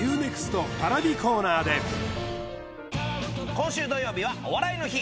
今週土曜日は「お笑いの日」